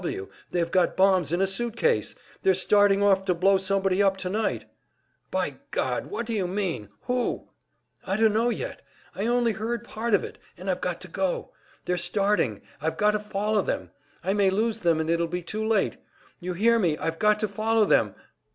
W. W. They've got bombs in a suit case! They're starting off to blow somebody up tonight." "By God! What do you mean? Who?" "I dunno yet. I only heard part of it, and I've got to go. They're starting, I've got to follow them. I may lose them and it'll be too late. You hear me, I've got to follow them!"